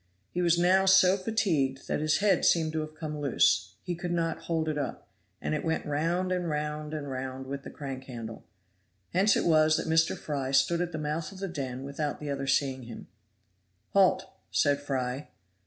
He was now so fatigued that his head seemed to have come loose, he could not hold it up, and it went round and round and round with the crank handle. Hence it was that Mr. Fry stood at the mouth of the den without the other seeing him. "Halt," said Fry.